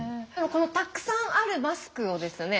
このたくさんあるマスクをですね